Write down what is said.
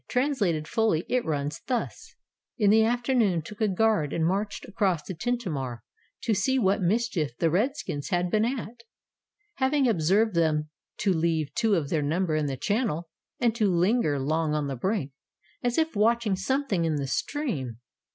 Translated fully it runs thus: "In the afternoon took a guard and marched across the Tintamarre to see what mischief the redskins had been at, having observed them to leave two of their number in the channel, and to linger long on the brink, as if watching something in the stream.